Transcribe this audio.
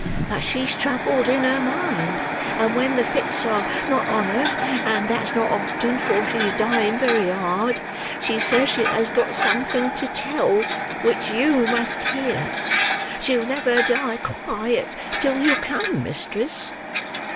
But she's troubled in her mind: and when the fits are not on her,—and that's not often, for she is dying very hard,—she says she has got something to tell, which you must hear. She'll never die quiet till you come, mistress."